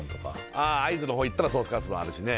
ああ会津のほう行ったらソースカツ丼あるしね